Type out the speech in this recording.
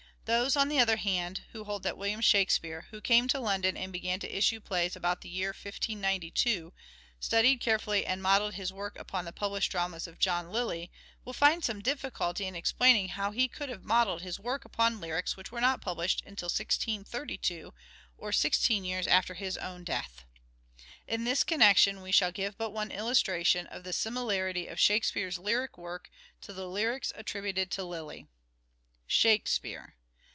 Those, on the other hand, who hold that William Shakspere, who came to London and began to issue plays about the year 1592, studied carefully and modelled his work upon the published dramas of John Lyly, will find some difficulty in explaining how he could have modelled his work upon lyrics which were not published until 1632, or sixteen years after his own death. In this connection we shall give but one illustration of the similarity of " Shakespeare's " lyric work to the lyrics attributed to Lyly. Shakespeare.